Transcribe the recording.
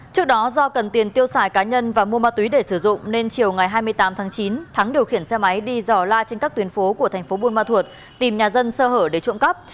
trước đó do cần tiền tiêu xài cá nhân và mua ma túy để sử dụng nên chiều ngày hai mươi tám tháng chín thắng điều khiển xe máy đi dò la trên các tuyến phố của thành phố buôn ma thuột tìm nhà dân sơ hở để trộm cắp